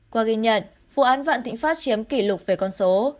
qua ghi nhận vụ án vạn thịnh pháp chiếm kỷ lục về con số